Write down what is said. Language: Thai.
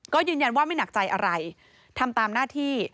ก็ยืนยันว่าไม่หนักใจอะไรทำตามหน้าที่